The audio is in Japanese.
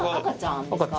赤ちゃん。